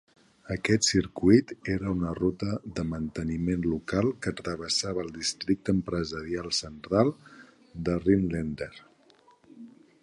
Aquest circuit era una ruta de manteniment local que travessava el districte empresarial central de Rhinelander.